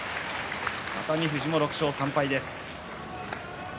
熱海富士も６勝３敗です。